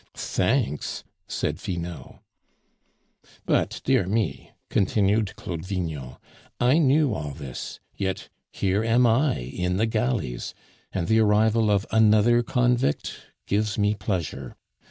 "Thanks," said Finot. "But, dear me," continued Claude Vignon, "I knew all this, yet here am I in the galleys, and the arrival of another convict gives me pleasure.